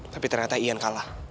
tapi ternyata ian kalah